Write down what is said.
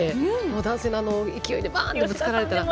男性の勢いでバーンとぶつかられたら。